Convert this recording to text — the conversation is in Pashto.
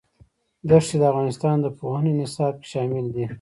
دښتې د افغانستان د پوهنې نصاب کې شامل دي.